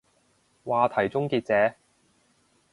話題終結者